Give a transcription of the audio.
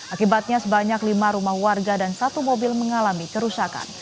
akibatnya sebanyak lima rumah warga dan satu mobil mengalami kerusakan